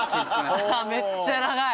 めっちゃ長い！